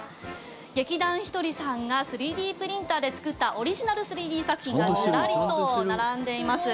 劇団ひとりさんが３Ｄプリンターで作ったオリジナル３Ｄ作品がずらりと並んでいます。